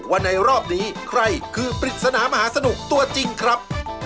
ว่าในรอบนี้ใครคือปริศนามหาสนุกตัวจริงครับ